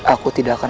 aku tidak akan